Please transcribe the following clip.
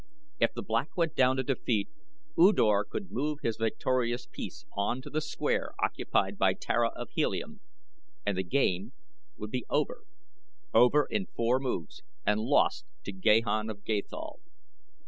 If the Black went down to defeat, U Dor could move his victorious piece on to the square occupied by Tara of Helium and the game would be over over in four moves and lost to Gahan of Gathol.